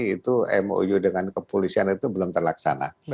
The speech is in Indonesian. itu mou dengan kepolisian itu belum terlaksana